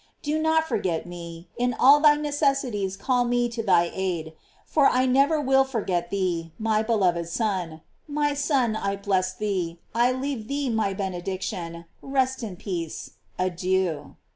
Do not forget me; in all thy necessities call me to thy aid, for I never will forget thee, my beloved son. My son, I bless thee, I leave thee my benediction; rest in peace — adieu.